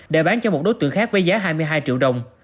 để bán cho một đối tượng khác với giá hai mươi hai triệu đồng